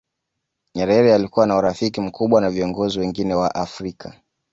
nyerere alikuwa na urafiki mkubwa na viongozi wengine wa afrika